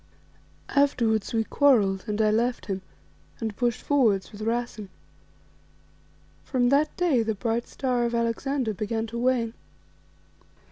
Afterwards we quarrelled, and I left him and pushed forward with Rassen. From that day the bright star of Alexander began to wane."